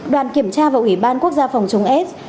đoàn kiểm tra và ủy ban quốc gia phòng chống s